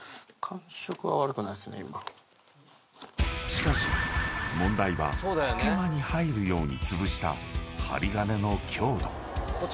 ［しかし問題は隙間に入るようにつぶした針金の強度］